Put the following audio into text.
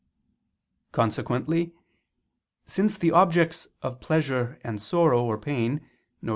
Consequently, since the objects of pleasure and sorrow or pain, viz.